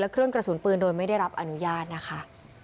เครื่องกระสุนปืนโดยไม่ได้รับอนุญาตนะคะ